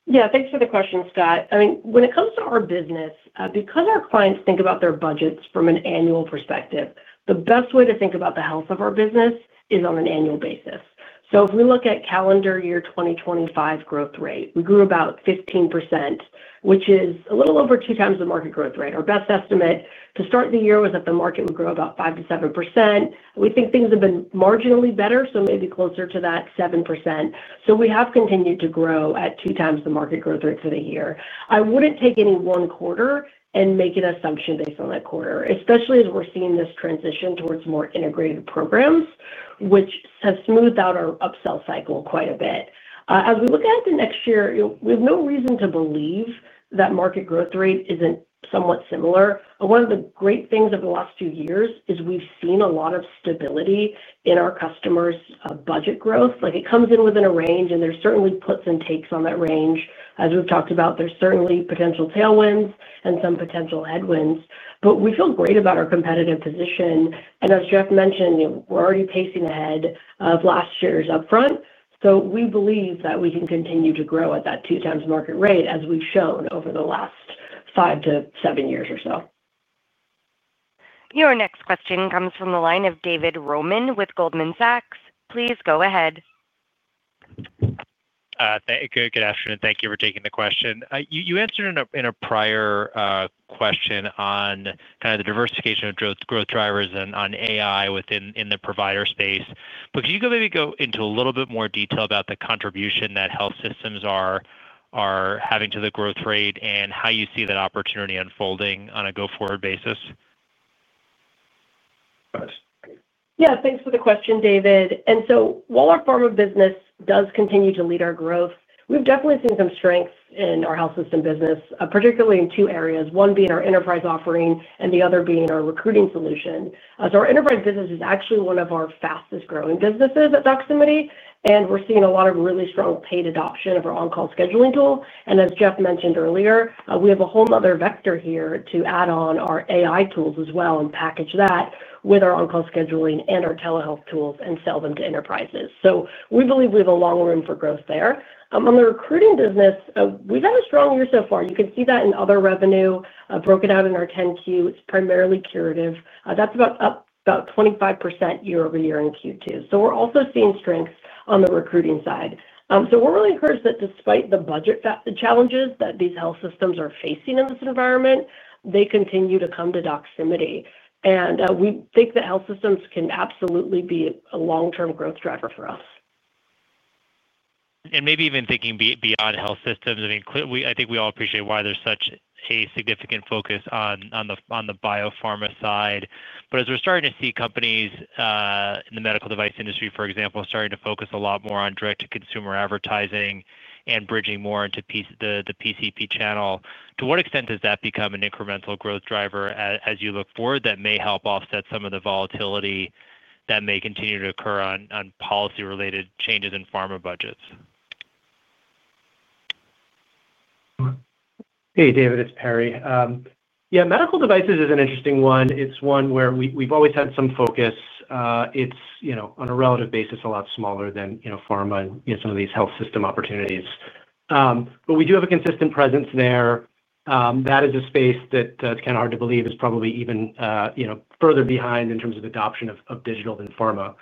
Yeah, thanks for the question, Scott. I mean, when it comes to our business, because our clients think about their budgets from an annual perspective, the best way to think about the health of our business is on an annual basis. If we look at calendar year 2025 growth rate, we grew about 15%, which is a little over two times the market growth rate. Our best estimate to start the year was that the market would grow about 5%-7%. We think things have been marginally better, so maybe closer to that 7%. We have continued to grow at two times the market growth rate for the year. I would not take any one quarter and make an assumption based on that quarter, especially as we are seeing this transition towards more integrated programs, which has smoothed out our upsell cycle quite a bit. As we look ahead to next year, we have no reason to believe that market growth rate isn't somewhat similar. One of the great things over the last two years is we've seen a lot of stability in our customers' budget growth. It comes in within a range, and there certainly are puts and takes on that range. As we've talked about, there's certainly potential tailwinds and some potential headwinds. We feel great about our competitive position. As Jeff mentioned, we're already pacing ahead of last year's upfront. We believe that we can continue to grow at that two times market rate as we've shown over the last five to seven years or so. Your next question comes from the line of David Roman with Goldman Sachs. Please go ahead. Good afternoon. Thank you for taking the question. You answered in a prior question on kind of the diversification of growth drivers and on AI within the provider space. Could you maybe go into a little bit more detail about the contribution that health systems are having to the growth rate and how you see that opportunity unfolding on a go-forward basis? Yeah, thanks for the question, David. While our pharma business does continue to lead our growth, we've definitely seen some strengths in our health system business, particularly in two areas, one being our enterprise offering and the other being our recruiting solution. Our enterprise business is actually one of our fastest-growing businesses at Doximity. We're seeing a lot of really strong paid adoption of our on-call scheduling tool. As Jeff mentioned earlier, we have a whole nother vector here to add on our AI tools as well and package that with our on-call scheduling and our telehealth tools and sell them to enterprises. We believe we have a long room for growth there. On the recruiting business, we've had a strong year so far. You can see that in other revenue broken out in our 10-Q. It's primarily curative. That's about 25% year-over-year in Q2. We're also seeing strengths on the recruiting side. We're really encouraged that despite the budget challenges that these health systems are facing in this environment, they continue to come to Doximity. We think that health systems can absolutely be a long-term growth driver for us. Maybe even thinking beyond health systems, I mean, I think we all appreciate why there's such a significant focus on the biopharma side. As we're starting to see companies in the medical device industry, for example, starting to focus a lot more on direct-to-consumer advertising and bridging more into the PCP channel, to what extent does that become an incremental growth driver as you look forward that may help offset some of the volatility that may continue to occur on policy-related changes in pharma budgets? Hey, David, it's Perry. Yeah, medical devices is an interesting one. It's one where we've always had some focus. It's, on a relative basis, a lot smaller than pharma and some of these health system opportunities. We do have a consistent presence there. That is a space that it's kind of hard to believe is probably even further behind in terms of adoption of digital than pharma.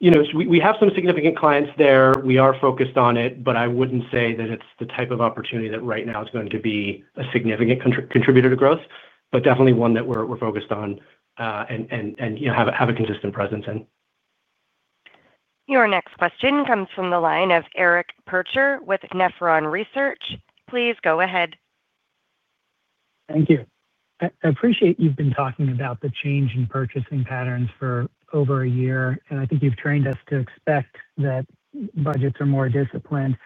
We have some significant clients there. We are focused on it, but I wouldn't say that it's the type of opportunity that right now is going to be a significant contributor to growth, but definitely one that we're focused on and have a consistent presence in. Your next question comes from the line of Eric Percher with Nephron Research. Please go ahead. Thank you. I appreciate you've been talking about the change in purchasing patterns for over a year. I think you've trained us to expect that budgets are more disciplined.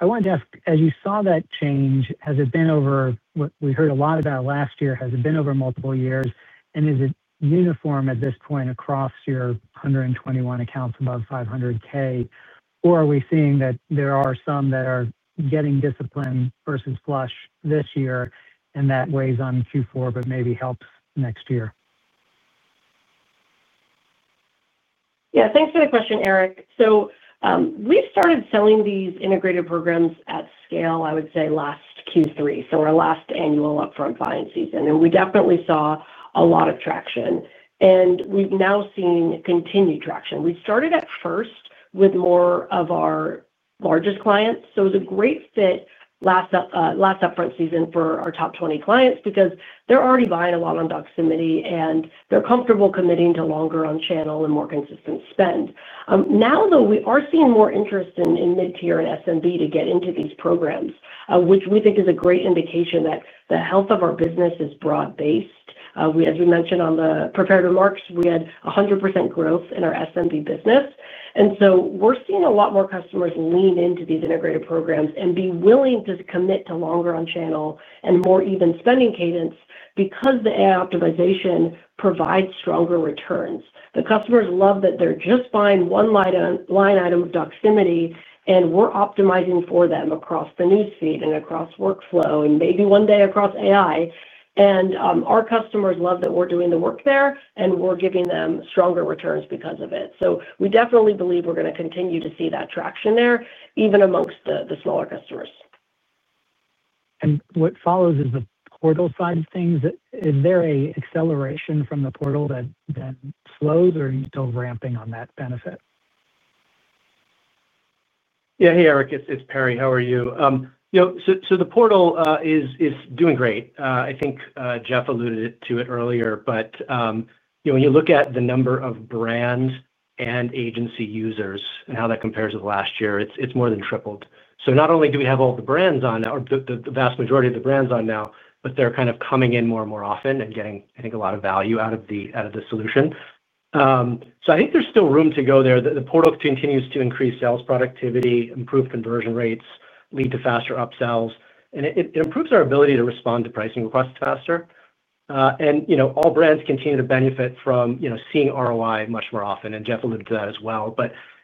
I wanted to ask, as you saw that change, has it been over what we heard a lot about last year? Has it been over multiple years? Is it uniform at this point across your 121 accounts above $500,000? Or are we seeing that there are some that are getting disciplined versus flush this year, and that weighs on Q4 but maybe helps next year? Yeah, thanks for the question, Eric. We started selling these integrated programs at scale, I would say, last Q3, so our last annual upfront buying season. We definitely saw a lot of traction. We have now seen continued traction. We started at first with more of our largest clients. It was a great fit last upfront season for our top 20 clients because they are already buying a lot on Doximity, and they are comfortable committing to longer on-channel and more consistent spend. Now, though, we are seeing more interest in mid-tier and SMB to get into these programs, which we think is a great indication that the health of our business is broad-based. As we mentioned on the prepared remarks, we had 100% growth in our SMB business. We're seeing a lot more customers lean into these integrated programs and be willing to commit to longer on-channel and more even spending cadence because the AI optimization provides stronger returns. The customers love that they're just buying one line item of Doximity, and we're optimizing for them across the newsfeed and across workflow and maybe one day across AI. Our customers love that we're doing the work there, and we're giving them stronger returns because of it. We definitely believe we're going to continue to see that traction there, even amongst the smaller customers. What follows is the portal side of things. Is there an acceleration from the portal that then slows, or are you still ramping on that benefit? Yeah, hey, Eric. It's Perry. How are you? The portal is doing great. I think Jeff alluded to it earlier, but when you look at the number of brands and agency users and how that compares with last year, it's more than tripled. Not only do we have all the brands on, or the vast majority of the brands on now, but they're kind of coming in more and more often and getting, I think, a lot of value out of the solution. I think there's still room to go there. The portal continues to increase sales productivity, improve conversion rates, lead to faster upsells, and it improves our ability to respond to pricing requests faster. All brands continue to benefit from seeing ROI much more often, and Jeff alluded to that as well.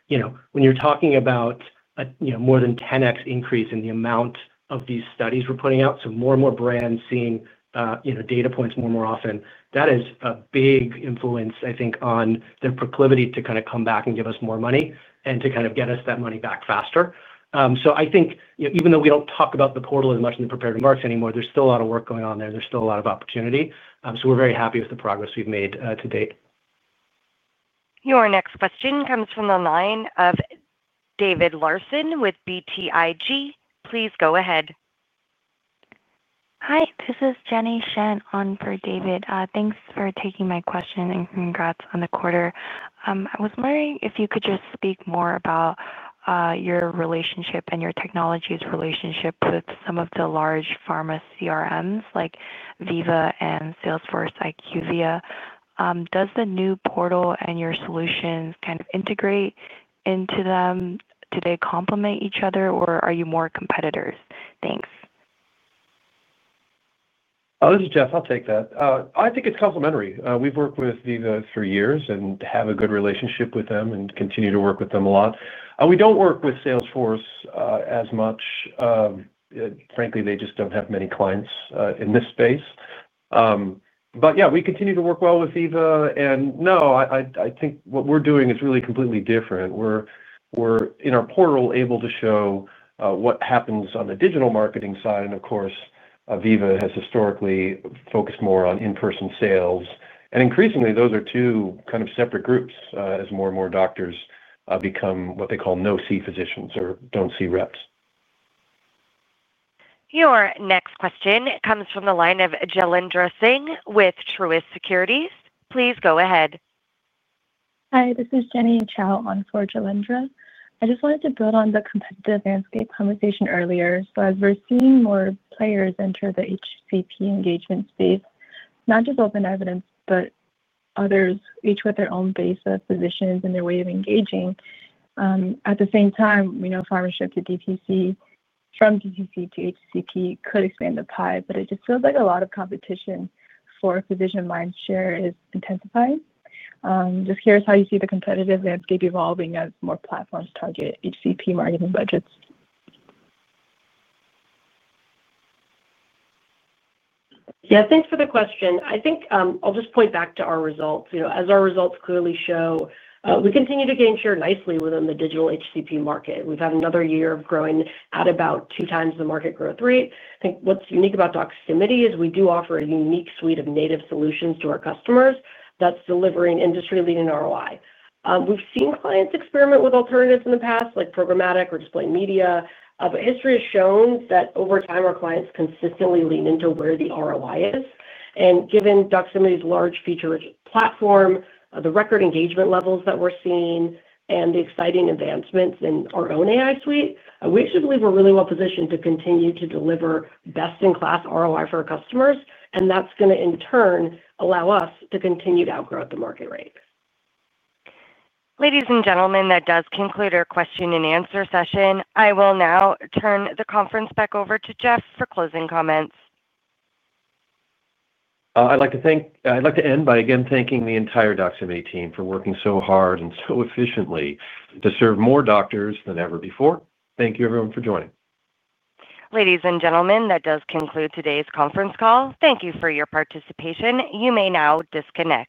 When you're talking about. A more than 10x increase in the amount of these studies we're putting out, so more and more brands seeing data points more and more often, that is a big influence, I think, on their proclivity to kind of come back and give us more money and to kind of get us that money back faster. I think even though we don't talk about the portal as much in the prepared remarks anymore, there's still a lot of work going on there. There's still a lot of opportunity. We're very happy with the progress we've made to date. Your next question comes from the line of David Larsen with BTIG. Please go ahead. Hi, this is Jenny Shen on for David. Thanks for taking my question and congrats on the quarter. I was wondering if you could just speak more about your relationship and your technology's relationship with some of the large pharma CRMs like Veeva and Salesforce IQVIA. Does the new portal and your solution kind of integrate into them? Do they complement each other, or are you more competitors? Thanks. Oh, this is Jeff. I'll take that. I think it's complementary. We've worked with Veeva for three years and have a good relationship with them and continue to work with them a lot. We don't work with Salesforce as much. Frankly, they just don't have many clients in this space. Yeah, we continue to work well with Veeva. No, I think what we're doing is really completely different. We're, in our portal, able to show what happens on the digital marketing side. Of course, Veeva has historically focused more on in-person sales. Increasingly, those are two kind of separate groups as more and more doctors become what they call no-see physicians or don't-see reps. Your next question comes from the line of Jailendra Singh with Truist Securities. Please go ahead. Hi, this is Jenny Chow on for Jailendra. I just wanted to build on the competitive landscape conversation earlier. As we're seeing more players enter the HCP engagement space, not just OpenEvidence, but others, each with their own base of physicians and their way of engaging. At the same time, pharmacy to DPC, from DPC to HCP could expand the pie, but it just feels like a lot of competition for physician mind share is intensifying. Just curious how you see the competitive landscape evolving as more platforms target HCP marketing budgets. Yeah, thanks for the question. I think I'll just point back to our results. As our results clearly show, we continue to gain share nicely within the digital HCP market. We've had another year of growing at about two times the market growth rate. I think what's unique about Doximity is we do offer a unique suite of native solutions to our customers that's delivering industry-leading ROI. We've seen clients experiment with alternatives in the past, like programmatic or display media. History has shown that over time, our clients consistently lean into where the ROI is. Given Doximity's large feature platform, the record engagement levels that we're seeing, and the exciting advancements in our own AI suite, we actually believe we're really well positioned to continue to deliver best-in-class ROI for our customers. That's going to, in turn, allow us to continue to outgrow at the market rate. Ladies and gentlemen, that does conclude our question-and-answer session. I will now turn the conference back over to Jeff for closing comments. I'd like to end by again thanking the entire Doximity team for working so hard and so efficiently to serve more doctors than ever before. Thank you, everyone, for joining. Ladies and gentlemen, that does conclude today's conference call. Thank you for your participation. You may now disconnect.